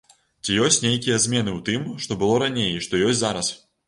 Ці ёсць нейкія змены ў тым, што было раней і што ёсць зараз?